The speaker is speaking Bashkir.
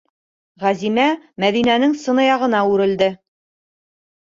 - Ғәзимә Мәҙинәнең сынаяғына үрелде.